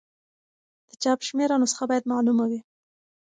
د چاپ شمېر او نسخه باید معلومه وي.